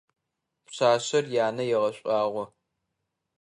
Пшъашъэр янэ егъэшӀуаӀо.